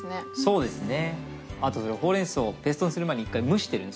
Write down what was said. そうですね